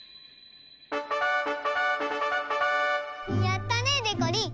やったねでこりん！